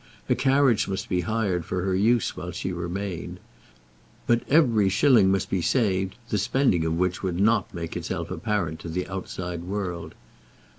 A carriage must be hired for her use while she remained; but every shilling must be saved the spending of which would not make itself apparent to the outer world.